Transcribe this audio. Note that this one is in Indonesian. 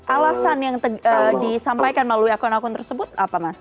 alasan yang disampaikan melalui akun akun tersebut apa mas